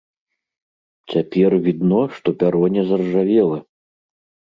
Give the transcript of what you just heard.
Цяпер відно, што пяро не заржавела!